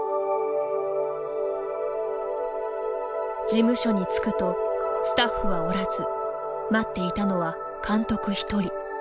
事務所に着くとスタッフはおらず待っていたのは、監督１人。